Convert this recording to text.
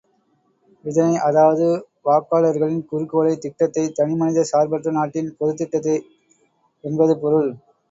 இதனை அதாவது வாக்காளர்களின் குறிக்கோளை திட்டத்தை தனிமனிதச் சார்பற்ற நாட்டின் பொதுத் திட்டத்தை என்பது பொருள்.